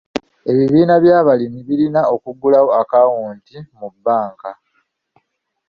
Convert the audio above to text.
Ebibiina by'abalimi birina okuggulawo akawunti mu bbanka.